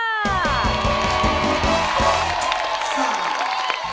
สวัสดีครับ